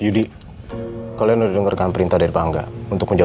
yang per stuck moral